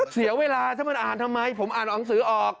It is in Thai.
เสียเวลาถ้ามันอ่านทำไมผมอ่านหนังสือออก